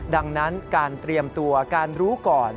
ดังนั้นการเตรียมตัวการรู้ก่อน